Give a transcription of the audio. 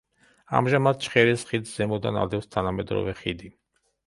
ამჟამად ჩხერის ხიდს ზემოდან ადევს თანამედროვე ხიდი.